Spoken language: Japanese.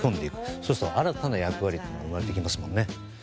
そうすると新たな役割が生まれてきますもんね。